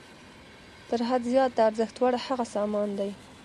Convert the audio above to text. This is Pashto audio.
تر حد زیات د ارزښت وړ هغه سامان دی